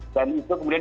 dan itu kemudian